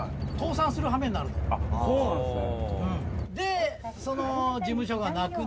そうなんですね。